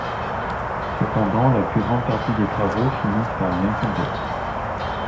Cependant, la plus grande partie des travaux finissent par lui incomber.